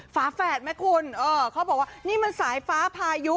ฝาแฝดไหมคุณเออเขาบอกว่านี่มันสายฟ้าพายุ